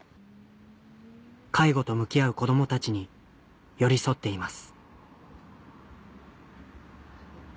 介護と向き合う子供たちに寄り添っています